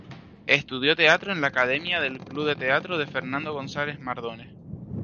Estudió teatro en la Academia de Club de Teatro de Fernando González Mardones.